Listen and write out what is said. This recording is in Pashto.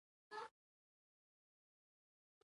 کور د هر چا پناه ځای دی.